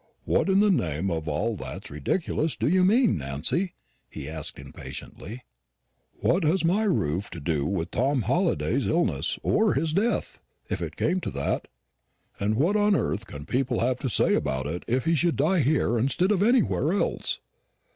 "What, in the name of all that's ridiculous, do you mean, Nancy?" he asked impatiently. "What has my roof to do with Tom Halliday's illness or his death, if it came to that? And what on earth can people have to say about it if he should die here instead of anywhere else?"